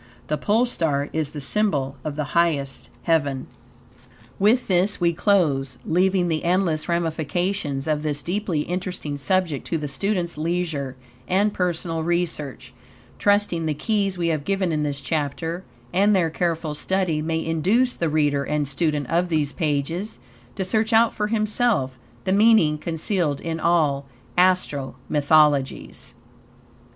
The Pole Star is the symbol of the highest heaven. With this we close, leaving the endless ramifications of this deeply interesting subject to the student's leisure and personal research, trusting the keys we have given in this chapter and their careful study may induce the reader and student of these pages to search out for himself the meaning concealed in all Astro Mythologies.